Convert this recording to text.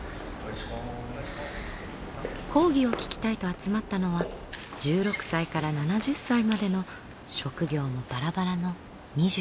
講義を聴きたいと集まったのは１６歳から７０歳までの職業もバラバラの２６人。